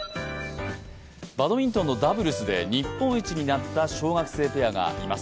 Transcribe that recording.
バドミントンのダブルスで日本一になった小学生ペアがいます。